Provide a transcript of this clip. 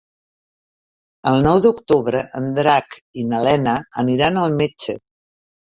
El nou d'octubre en Drac i na Lena aniran al metge.